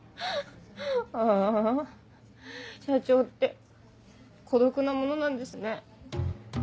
ああ社長って孤独なものなんですね。